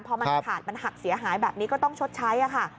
พอมันขาดมันหักเสียหายแบบนี้ก็ต้องชดใช้ค่ะ